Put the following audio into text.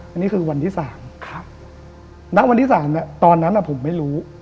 อันนี้คือวันที่๓ณวันที่๓ตอนนั้นผมไม่รู้